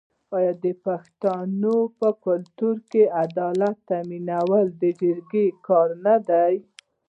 آیا د پښتنو په کلتور کې عدالت تامینول د جرګې کار نه دی؟